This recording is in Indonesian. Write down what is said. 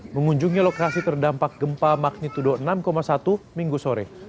mengunjungi lokasi terdampak gempa magnitudo enam satu minggu sore